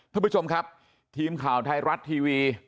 ท่านผู้ชมครับทีมข่าวไทยรัฐทีวี